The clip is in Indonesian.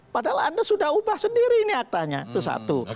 padahal anda sudah ubah sendiri ini aktanya itu satu